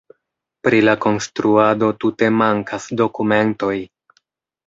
Pri la konstruado tute mankas dokumentoj.